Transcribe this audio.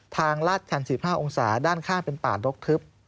ลาดชัน๑๕องศาด้านข้างเป็นป่ารกทึบ